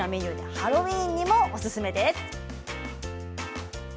ハロウィーンにもおすすめです。